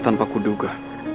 tanpa ku duga